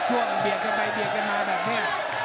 เบียดกันไปเบียดกันมาแบบนี้